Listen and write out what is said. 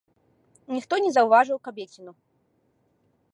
Ніхто не заўважыў кабеціну.